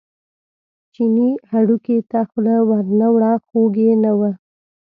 چیني هډوکي ته خوله ور نه وړه خوږ یې نه و.